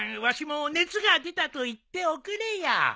わしも熱が出たと言っておくれよ。